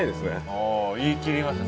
あ言い切りました。